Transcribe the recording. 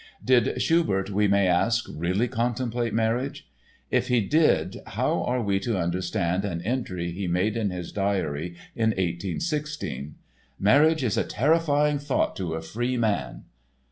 Did Schubert, we may ask, really contemplate marriage? If he did how are we to understand an entry he made in his diary in 1816: "Marriage is a terrifying thought to a free man..."?